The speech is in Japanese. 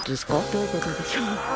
どういうことでしょう？